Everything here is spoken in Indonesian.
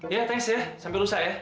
ya thanks ya sampai lusa ya